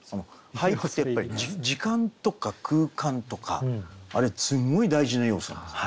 俳句ってやっぱり時間とか空間とかあれすごい大事な要素なんです。